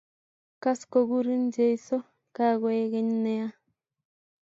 Kas kokurin Jesu kakoek keny nea